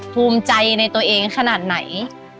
ภูมิใจในตัวเองขนาดไหน